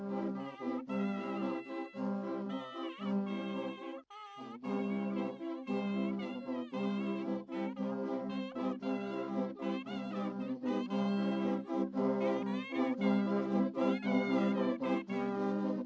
bia berukuran kecil atau klarinet menjadi sentral nada dari bia